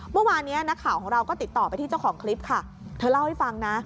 เมื่อวานนี้นักข่าวของเราก็ติดต่อไปที่เจ้าของคลิปค่ะเธอเล่าให้ฟังนะ